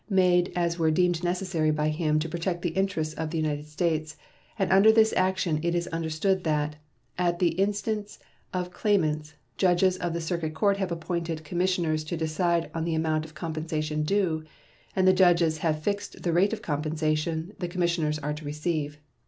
made as were deemed necessary by him to protect the interests of the United States, and under this action it is understood that, at the instance of claimants, judges of the circuit court have appointed commissioners to decide on the amount of compensation due, and the judges have fixed the rate of compensation the commissioners are to receive.